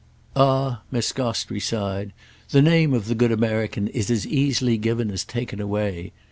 "Ah," Miss Gostrey sighed, "the name of the good American is as easily given as taken away!